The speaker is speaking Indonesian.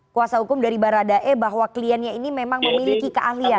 kuasa hukum dari baradae bahwa kliennya ini memang memiliki keahlian